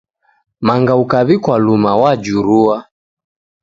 Manga ukaw'ikwa luma wajurua.